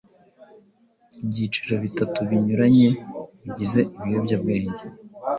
ibyiciro bitatu binyuranye bigize ibiyobyabwenge